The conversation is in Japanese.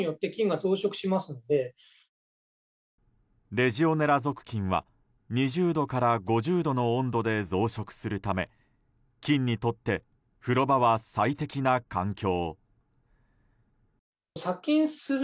レジオネラ属菌は、２０度から５０度の温度で増殖するため菌にとって風呂場は最適な環境。